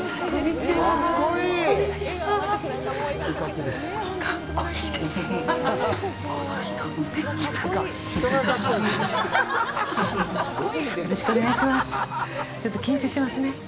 ちょっと緊張しますね。